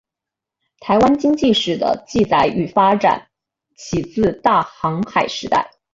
台湾经济史的记载与发展起自大航海时代。